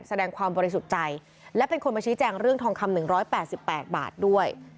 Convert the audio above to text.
แสดงความบริสุทธิ์ใจและเป็นคนมาชี้แจงเรื่องทองคำ๑๘๘บาทด้วย